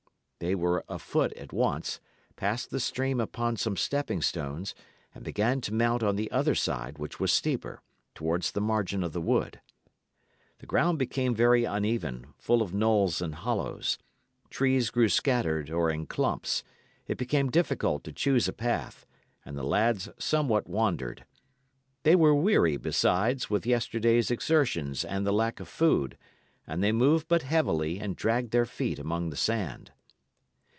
They were afoot at once, passed the stream upon some stepping stones, and began to mount on the other side, which was steeper, towards the margin of the wood. The ground became very uneven, full of knolls and hollows; trees grew scattered or in clumps; it became difficult to choose a path, and the lads somewhat wandered. They were weary, besides, with yesterday's exertions and the lack of food, and they moved but heavily and dragged their feet among the sand.